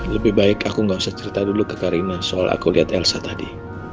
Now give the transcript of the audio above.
lebih baik aku gak usah cerita dulu ke karina soal aku lihat elsa tadi